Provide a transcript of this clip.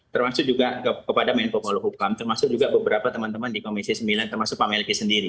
termasuk juga kepada menko poluhukam termasuk juga beberapa teman teman di komisi sembilan termasuk pak melki sendiri